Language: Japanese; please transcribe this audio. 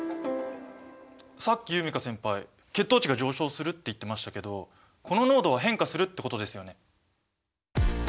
さっき夢叶先輩血糖値が上昇するって言ってましたけどこの濃度は変化するってことですよね。